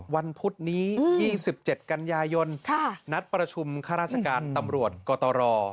พุธนี้๒๗กันยายนนัดประชุมข้าราชการตำรวจกตร